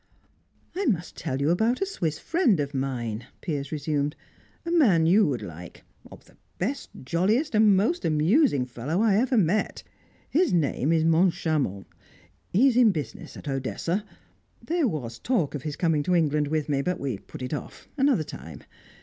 "I must tell you about a Swiss friend of mine," Piers resumed. "A man you would like; the best, jolliest, most amusing fellow I ever met; his name is Moncharmont. He is in business at Odessa. There was talk of his coming to England with me, but we put it off; another time.